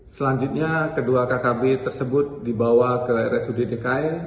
selanjutnya kedua kkb tersebut dibawa ke resudid dekai